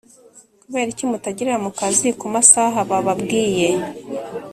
Kubera iki mutagerera mu akazi ku amasaha bababwiye